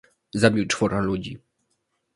zabił czworo ludzi